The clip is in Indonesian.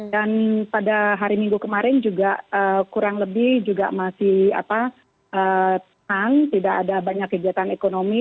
dan pada hari minggu kemarin juga kurang lebih juga masih tang tidak ada banyak kegiatan ekonomi